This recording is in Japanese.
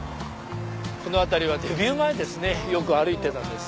この辺りはデビュー前よく歩いてたんです。